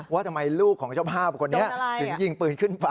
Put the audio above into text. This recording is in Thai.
ว่าทำไมลูกของเจ้าภาพคนนี้ถึงยิงปืนขึ้นฟ้า